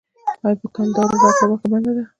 آیا په کلدارو راکړه ورکړه بنده ده؟